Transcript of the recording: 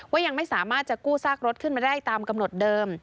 ยังไม่สามารถจะกู้ซากรถขึ้นมาได้ตามกำหนดเดิม